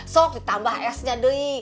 sok ditambah s nya doi